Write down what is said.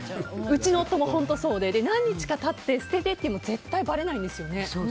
うちの夫も本当そうで何日か経って捨てても絶対ばれないんですよね。